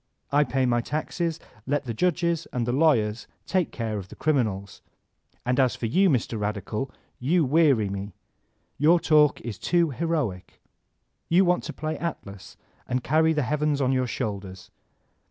I pay my taxes ; let the judges and the lawyers take care of the criminals. And as for you, Mr. Radical, you weary me. Your talk is too heroic. You want to play Atlas and carry the heavens on your shoulders.